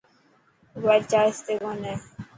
موبائل چارج تي ڪون هي.